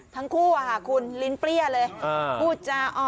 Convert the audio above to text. ทั้งคู่ฟังว่าคุณลิ้นเปรี้ยเลย